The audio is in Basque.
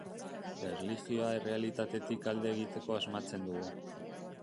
Erlijioa errealitatetik alde egiteko asmatzen dugu.